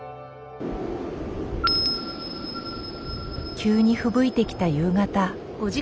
急にふぶいてきた夕方。